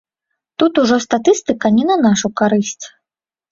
Тут ўжо статыстыка не на нашу карысць.